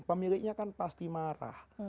pemiliknya pasti marah